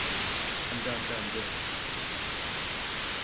안돼, 안돼, 안돼.